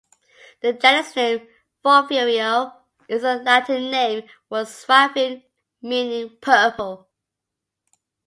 The genus name "Porphyrio" is the Latin name for "swamphen", meaning "purple".